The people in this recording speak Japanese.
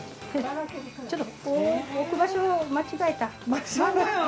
ちょっと置く場所間違えた。